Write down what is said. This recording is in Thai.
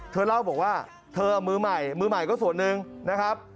เธอเล่าบอกว่าเธอเอามือใหม่มือใหม่ก็ส่วนหนึ่งนะครับ